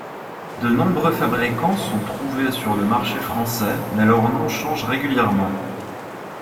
De nombreux fabricants sont trouvés sur le marché français, mais leurs noms changent régulièrement.